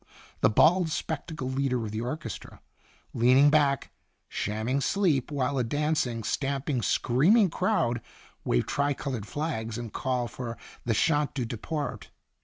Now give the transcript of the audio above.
The bald, spectacled leader of the orchestra, leaning back, shamming sleep, while a dancing, stamp ing, screaming crowd wave tri colored flags, and call for the " Chant du Depart."